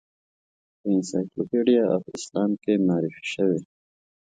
په انسایکلوپیډیا آف اسلام کې معرفي شوې.